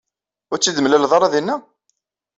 Ur tt-id-temlaleḍ ara dinna?